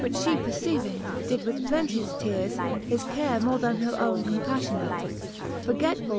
|k: Which file perceiving, did with plenteous teares His care more then her owne compaflionate, I Forgetful!